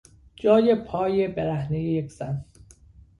جای پای برهنهی یک زن